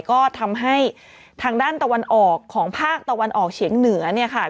ก็ทำให้ทางด้านตะวันออกของภาคตะวันออกเฉียงเหนือเนี่ยค่ะ